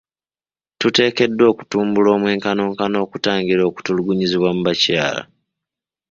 Tuteekeddwa okutumbula omwenkanonkano okutangira okutulugunyizibwa mu bakyala.